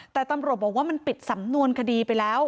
แต่ตำรวจบอกว่ามันปิดสำนวนคดีไปแล้ว